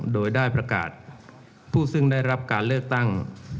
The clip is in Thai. โดยได้ประกาศผู้ซึ่งได้รับการเลือกตั้ง